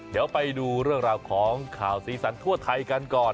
เดี๋ยวไปดูเรื่องราวของข่าวสีสันทั่วไทยกันก่อน